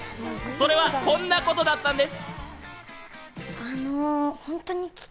それはこんなことだったんです。